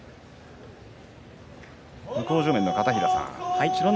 向正面の片平さん美ノ